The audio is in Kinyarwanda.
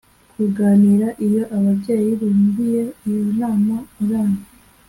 Kuganira iyo ababyeyi bumviye iyo nama abana